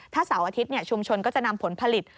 ถ้าเสาร์อาทิตย์ชุมชนก็จะนำผลผลิต